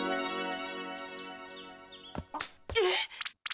えっ？